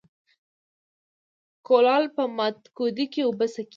ـ کولال په مات کودي کې اوبه څکي.